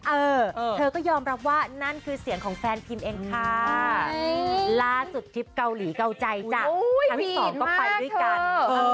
เออเธอก็ยอมรับว่านั่นคือเสียงของแฟนพิมเองค่ะล่าสุดคลิปเกาหลีเกาใจจ้ะอุ๊ยผิดมากเธอ